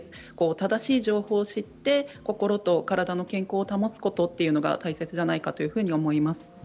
正しい情報を知って心と体の健康を保つことが大切じゃないかと思います。